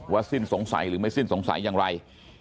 ว่าสิ้นสงสัยหรือไม่สิ้นสงสัยยังไง